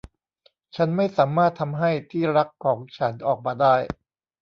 ฉันไม่สามารถทำให้ที่รักของฉันออกมาได้